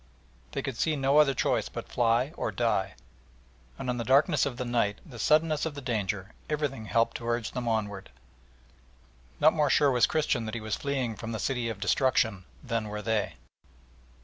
They could see no other choice but fly or die, and the darkness of the night, the suddenness of the danger, everything helped to urge them onward. Not more sure was Christian that he was fleeing from the City of Destruction than were they.